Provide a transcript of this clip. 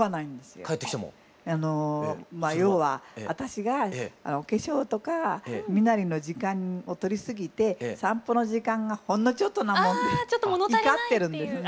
まあ要は私がお化粧とか身なりの時間をとりすぎて散歩の時間がほんのちょっとなもんで怒ってるんですね。